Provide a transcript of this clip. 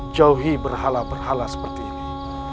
jauhi berhala berhala seperti ini